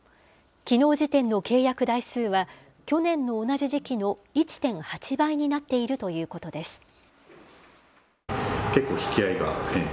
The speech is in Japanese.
きのう時点の契約台数は、去年の同じ時期の１．８倍になっているということです。